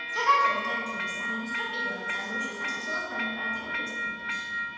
საქართველოს განათლების სამინისტრო პირველად წარმოიშვა საქართველოს დემოკრატიული რესპუბლიკაში.